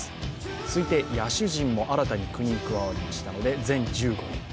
続いて野手陣も新たに９人加わりましたので全１５人。